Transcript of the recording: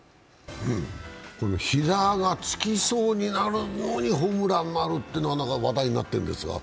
膝がつきそうになるのにホームランになるというのが話題になってますが。